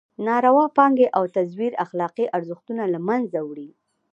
ناروا پانګې او تزویر اخلاقي ارزښتونه له مېنځه وړي.